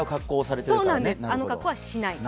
あの格好はしない。